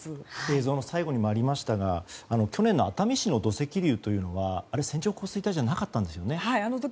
映像の最後にもありましたが去年の熱海市の土石流は線状降水帯ではなかったと。